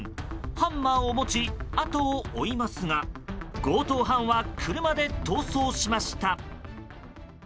ハンマーを持ち後を追いますが強盗犯は車で逃走しました。